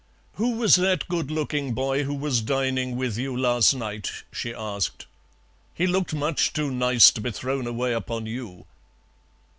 "Who was that good looking boy who was dining with you last night?" she asked. "He looked much too nice to be thrown away upon you."